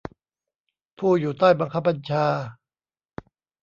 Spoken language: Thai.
ผู้อยู่ใต้บังคับบัญชา